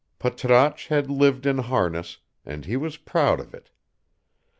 Patrasche had lived in harness, and he was proud of it.